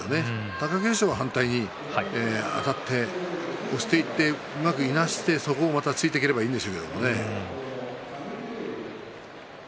貴景勝は反対に、あたって押していって、うまくいなしてそこをまた突いていければいいんですけれども。